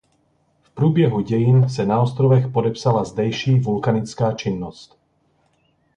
V průběhu dějin se na ostrovech podepsala zdejší vulkanická činnost.